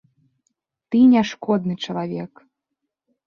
Ты не шкодны чалавек.